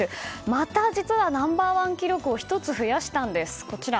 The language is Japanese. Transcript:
また、実はナンバー１記録を１つ増やしたんです。